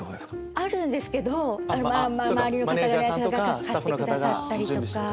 あるんですけど周りの方が買ってくださったりとか。